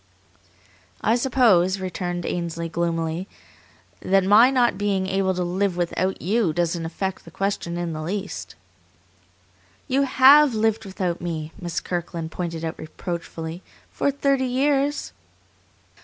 "I suppose," returned Ainsley gloomily, "that my not being able to live without you doesn't affect the question in the least?" "You HAVE lived without me," Miss Kirkland pointed out reproachfully, "for thirty years."